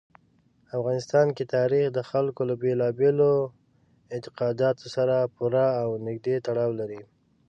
افغانستان کې تاریخ د خلکو له بېلابېلو اعتقاداتو سره پوره او نږدې تړاو لري.